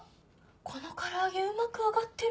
この唐揚げうまく揚がってる！